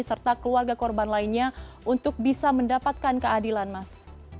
serta keluarga korban lainnya untuk bisa mendapatkan keadilan mas